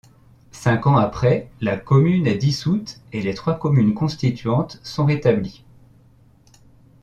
Cinq ans après, la commune est dissoute et les trois communes constituantes sont rétablies.